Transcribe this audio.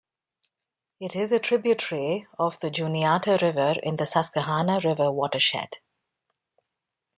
It is a tributary of the Juniata River in the Susquehanna River watershed.